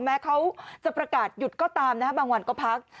แม้เขาจะประกาศหยุดก็ตามนะฮะบางวันก็พัก